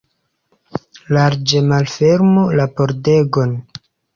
Larĝe malfermu la pordegon!